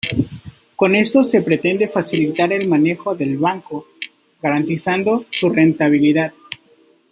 Con esto se pretende facilitar el manejo del banco, garantizando su rentabilidad.